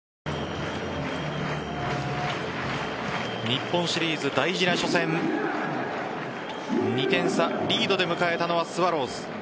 日本シリーズ大事な初戦２点差リードで迎えたのはスワローズ。